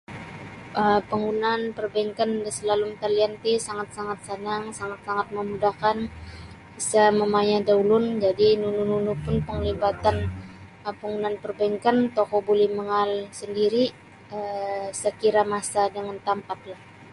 um Panggunaan perbankan da salalum talian ti sangat-sangat sanang sangat-sangat memudahkan isa mamayah da ulun jadi nunu nunu pun penglibatan perbankan tokou buli mangaal sendiri isa kira masa dan tempatlah.